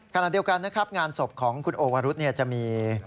ขณะเดียวกันนะครับงานศพของคุณโอวรุธจะมี